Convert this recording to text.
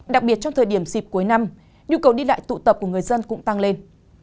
đặc biệt trong thời điểm dịp cuối năm nhu cầu đi lại tụ tập của người dân cũng tăng lên